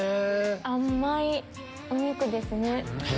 甘いお肉ですね。